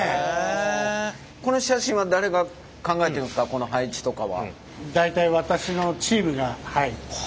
この配置とかは？